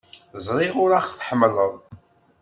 Ẓriɣ ur aɣ-tḥemmleḍ.